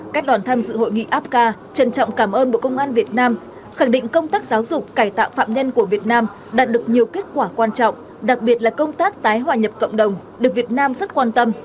các đoàn tham dự hội nghị apca trân trọng cảm ơn bộ công an việt nam khẳng định công tác giáo dục cải tạo phạm nhân của việt nam đạt được nhiều kết quả quan trọng đặc biệt là công tác tái hòa nhập cộng đồng được việt nam rất quan tâm